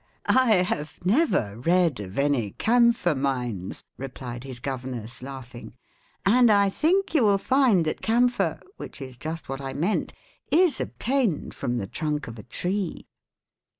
"I have never read of any camphor mines," replied his governess, laughing, "and I think you will find that camphor which is just what I meant is obtained from the trunk of a tree."